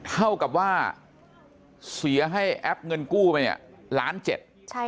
เท่ากับว่าเสียให้แอปเงินกู้มาังล้านเศส